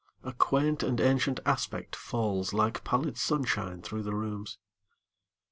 A quaint and ancient aspect falls Like pallid sunshine through the rooms.